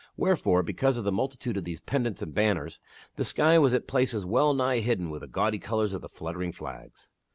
Wherefore,, because of the multitude of these pennants and banners the sky was at places well nigh hidden with the gaudy colors of the fluttering flags.